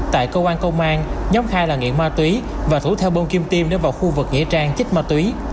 tại cơ quan công an nhóm hai là nghiện ma túy và thủ theo bông kim tim đến vào khu vực nghĩa trang chích ma túy